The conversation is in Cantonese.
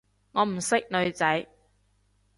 我唔識女仔